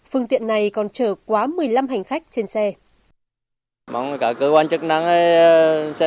phương tiện này còn chở quá một mươi năm hành khách trên xe